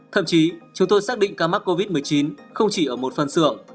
thậm chí chúng tôi xác định ca mắc covid một mươi chín không chỉ ở một phân xưởng